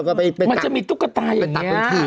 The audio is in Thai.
มันจะมีตุ๊กตายอย่างนี้